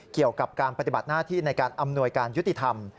เกี่ยวกับการปฏิบัติหน้าที่ในการอำนวยการยุติธรรม